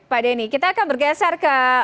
pak denny kita akan bergeser ke